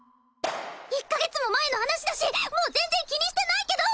１カ月も前の話だしもう全然気にしてないけど！